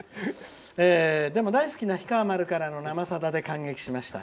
「でも大好きな「氷川丸」からの「生さだ」で感激しました。